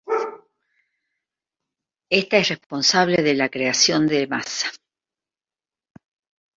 Esta es responsable de la creación de masa.